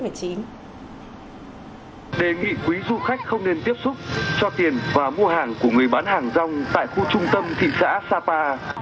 đề nghị quý du khách không nên tiếp xúc cho tiền và mua hàng của người bán hàng rong tại khu trung tâm thị xã sapa